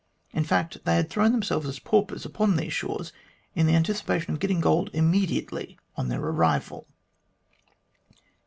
In fact, they had thrown themselves as paupers upon these shores in the anticipation of getting gold immediately on their arrival."